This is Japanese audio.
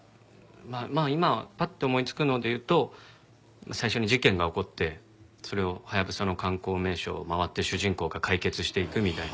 まあ今パッて思いつくのでいうと最初に事件が起こってそれをハヤブサの観光名所を回って主人公が解決していくみたいな。